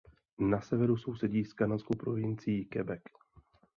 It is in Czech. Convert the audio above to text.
Na severu sousedí s kanadskou provincií Québec.